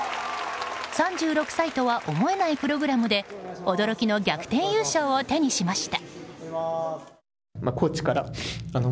３６歳とは思えないプログラムで驚きの逆転優勝を手にしました。